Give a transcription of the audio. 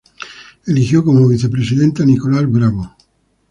Eligió como vicepresidente a Nicolás Bravo.